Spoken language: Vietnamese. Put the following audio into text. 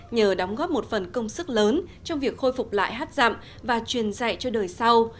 nhờ đóng góp một phần công sức lớn trong việc khôi phục lại hát dặm và truyền dạy cho đời sau